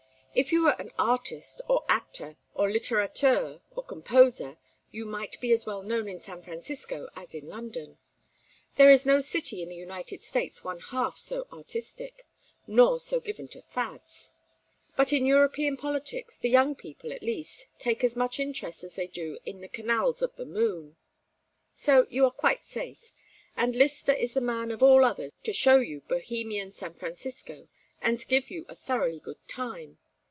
If you were an artist or actor or littérateur or composer you might be as well known in San Francisco as in London. There is no city in the United States one half so artistic nor so given to fads. But in European politics, the young people, at least, take as much interest as they do in the canals of the moon. So you are quite safe, and Lyster is the man of all others to show you Bohemian San Francisco and give you a thoroughly good time.